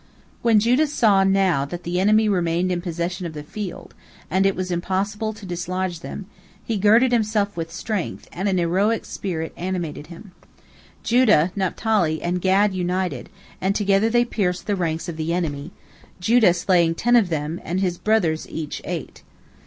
When Judah saw now that the enemy remained in possession of the field, and it was impossible to dislodge them, he girded himself with strength, and an heroic spirit animated him. Judah, Naphtali, and Gad united, and together they pierced the ranks of the enemy, Judah slaying ten of them, and his brothers each eight.